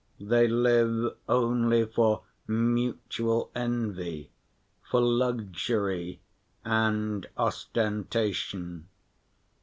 They live only for mutual envy, for luxury and ostentation.